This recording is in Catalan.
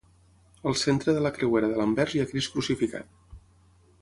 Al centre de la creuera de l'anvers hi ha Crist crucificat.